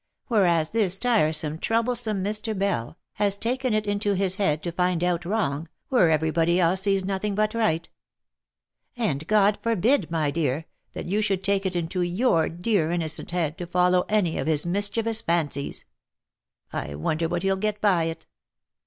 Whereas this tiresome, troublesome, Mr. Bell, has taken it into his head to find out wrong, where every body else sees nothing but right ; and God forbid, my dear, that you should take it into your dear innocent head to follow any of his mischievous fancies ; I wonder what he'll get by it